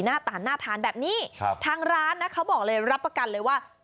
หน้าตาน่าทานแบบนี้ครับทางร้านนะเขาบอกเลยรับประกันเลยว่า